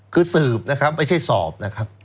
คือสืบนะครับไม่ใช่สอบนะครับ